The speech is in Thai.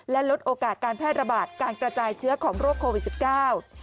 และลดโอกาสการแพร่ระบาดการกระจายเชื้อของโรคโควิดสิบเก้า